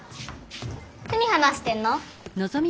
何話してんの？